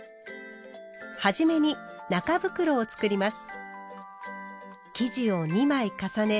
初めに中袋を作ります。